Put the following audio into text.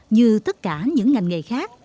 như tất cả những ngành nghề khác